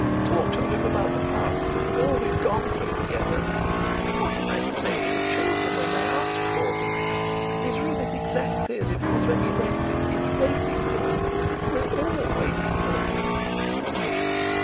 Talk to him about the past, and all we've gone through together. What am I to say to the children when they ask for him? His room is exactly as it was when he left it. It's waiting for him. We're all waiting for him."